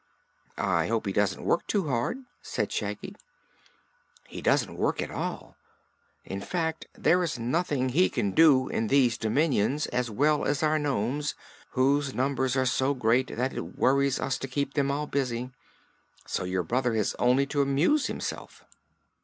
"I hope he doesn't work too hard," said Shaggy. "He doesn't work at all. In fact, there is nothing he can do in these dominions as well as our nomes, whose numbers are so great that it worries us to keep them all busy. So your brother has only to amuse himself."